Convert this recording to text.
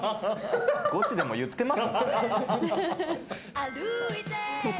ゴチでも言っています？